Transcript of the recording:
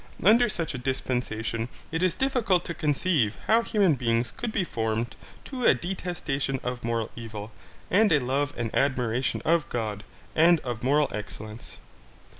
Under such a dispensation, it is difficult to conceive how human beings could be formed to a detestation of moral evil, and a love and admiration of God, and of moral excellence.